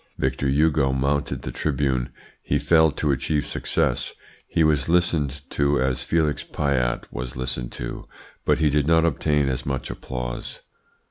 "Victor Hugo mounted the tribune. He failed to achieve success. He was listened to as Felix Pyat was listened to, but he did not obtain as much applause.